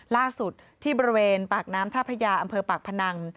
ล่าสุดที่บริเวณปากน้ำท่าพญาอำเภอปากพนัง